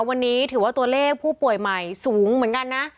วันนี้ถือว่าตัวเลขผู้ป่วยใหม่สูงเหมือนกันนะ